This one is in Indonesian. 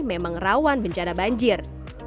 memang rawan bencana banjir